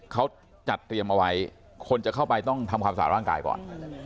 เขาจัดเตรียมเอาไว้คนจะเข้าไปต้องทำความสะอาดร่างกายก่อน